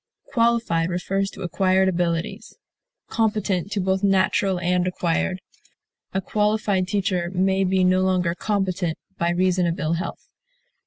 Qualified refers to acquired abilities; competent to both natural and acquired; a qualified teacher may be no longer competent, by reason of ill health.